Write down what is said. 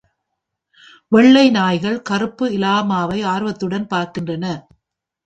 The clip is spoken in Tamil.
வெள்ளை நாய்கள் கருப்பு இலாமாவை ஆர்வத்துடன் பார்க்கின்றன.